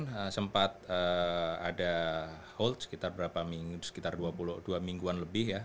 sisa pira kemarin sempat ada hold sekitar berapa minggu sekitar dua puluh dua mingguan lebih ya